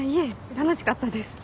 楽しかったです。